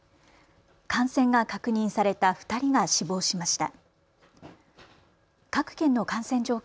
感染が確認された２人が死亡しました。